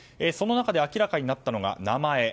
その中で明らかになったのが名前。